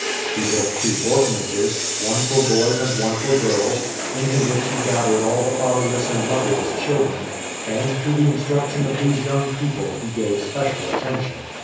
He built two orphanages, one for boys and one for girls, into which he gathered all the fatherless and motherless children ; and to the instruction of these young people he gave special attention.